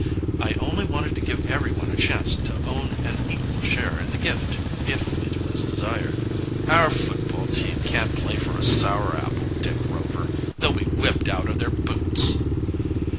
"I only wanted to give everyone a chance to own an equal share in the gift, if it was desired." "Our football team can't play for a sour apple, Dick Rover. They'll be whipped out of their boots."